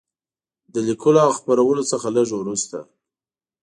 له لیکلو او خپرولو څخه لږ وروسته.